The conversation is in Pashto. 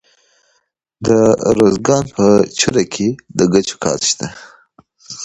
د ارزګان په چوره کې د ګچ کان شته.